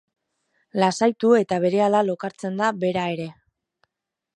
Lasaitu eta berehala lokartzen da bera ere.